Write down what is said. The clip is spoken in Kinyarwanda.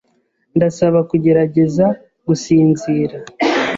Ndasaba kugerageza gusinzira.